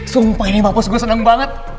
sumpah ini mapos gue seneng banget